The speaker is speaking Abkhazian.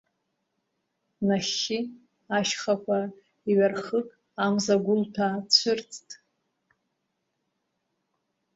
Нахьхьы, ашьхақәа иҩархык, амза гәылҭәаа цәырҵт.